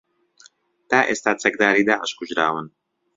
تا ئێستا چەکداری داعش کوژراون